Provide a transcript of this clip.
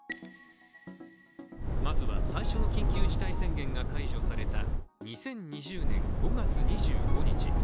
まずは最初の緊急事態宣言が解除された２０２０年５月２５日。